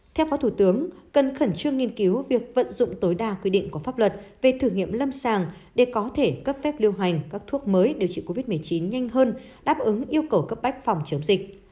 theo phó thủ tướng cần khẩn trương nghiên cứu việc vận dụng tối đa quy định của pháp luật về thử nghiệm lâm sàng để có thể cấp phép lưu hành các thuốc mới điều trị covid một mươi chín nhanh hơn đáp ứng yêu cầu cấp bách phòng chống dịch